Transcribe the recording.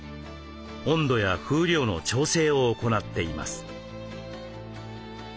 温度や風量の調整を行っています。